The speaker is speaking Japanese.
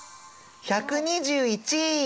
１２１位。